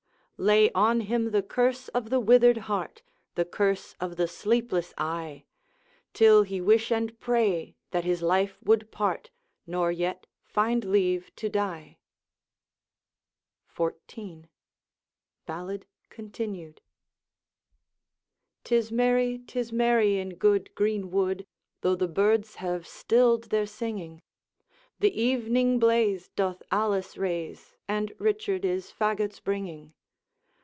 'Lay on him the curse of the withered heart, The curse of the sleepless eye; Till he wish and pray that his life would part, Nor yet find leave to die.' XIV. Ballad Continued. 'Tis merry, 'tis merry, in good greenwood, Though the birds have stilled their singing; The evening blaze cloth Alice raise, And Richard is fagots bringing.